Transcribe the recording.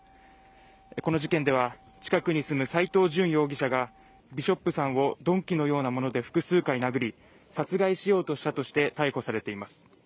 この事件では、近くに住む斎藤淳容疑者がビショップさんを鈍器のようなもので複数回殴り殺害しようとしたとして逮捕されています。